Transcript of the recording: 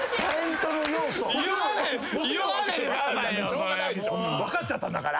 しょうがないでしょ分かっちゃったんだから。